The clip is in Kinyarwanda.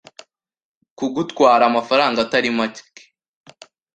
kugutwara amafaranga atari make,